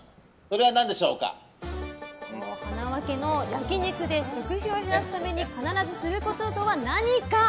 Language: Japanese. はなわ家の焼き肉で食費を減らすために必ずすることとは何か。